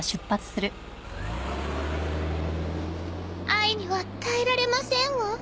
あいには耐えられませんわ。